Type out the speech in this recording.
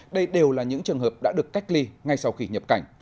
đây đều là những trường hợp đã được cách ly ngay sau khi nhập cảnh